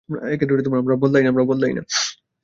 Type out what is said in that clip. আমরা বদলাই না।